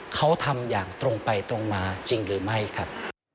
เขาทำอย่างตรงไปตรงมาจริงหรือไม่ครับ